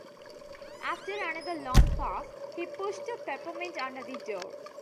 After another long pause, he pushed a peppermint under the door.